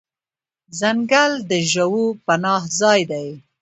ځنګل د ژوو پناه ځای دی.